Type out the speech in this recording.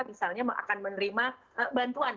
misalnya akan menerima bantuan